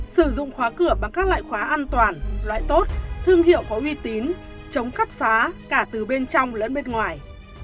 sử dụng khóa cửa bằng các loại khóa an toàn loại tốt thương hiệu có uy tín chống cắt phá cả từ bên trong lẫn bên ngoài